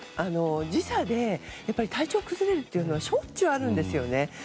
時差で体調が崩れるのはしょっちゅうあるんですよね。